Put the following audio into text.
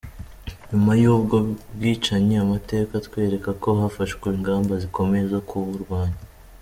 Nyuma y’ubwo bwicanyi , amateka atwereka ko hafashwe ingamba zikomeye zo kuburwanya.